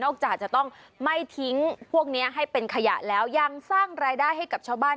จากจะต้องไม่ทิ้งพวกนี้ให้เป็นขยะแล้วยังสร้างรายได้ให้กับชาวบ้าน